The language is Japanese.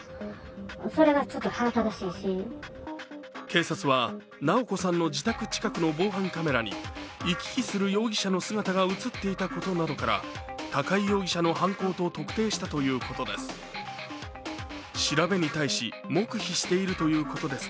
警察は、直子さんの自宅近くの防犯カメラに行き来する容疑者の姿が映っていたことなどから高井容疑者の犯行と特定したということです。